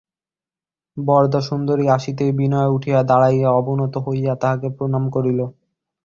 বরদাসুন্দরী আসিতেই বিনয় উঠিয়া দাঁড়াইয়া অবনত হইয়া তাঁহাকে প্রণাম করিল।